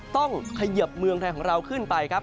เขยิบเมืองไทยของเราขึ้นไปครับ